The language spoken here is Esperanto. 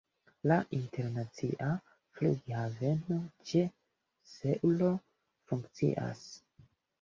La internacia flughaveno ĉe Seulo funkcias.